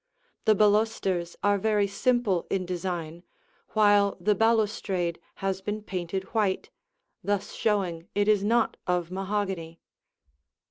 The balusters are very simple in design, while the balustrade has been painted white, thus showing it is not of mahogany.